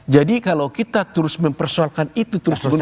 jadi kalau kita terus mempersoalkan itu terus mempercayai